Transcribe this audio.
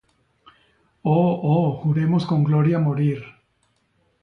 Oh, oh, juremos con gloria morir